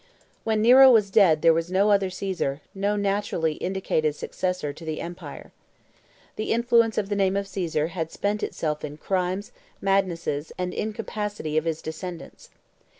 When Nero was dead there was no other Caesar, no naturally indicated successor to the empire. The influence of the name of Caesar had spent itself in the crimes, madnesses, and incapacity of his descendants.